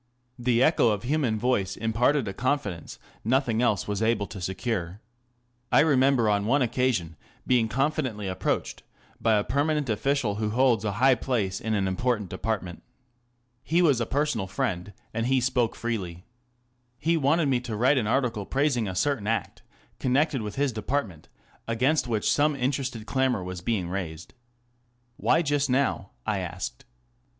The echo of human voice imparted a confidence nothing else was able to secure. I remember on one occasion being confidentially approached by a permanent official who holds a high place in an important department. He was a personal friend, and he spoke freely. He wanted me to write an article praising a certain Act connected with his depart ment, against which some interested clamour wafc being raised. " Why just now ?" I asked.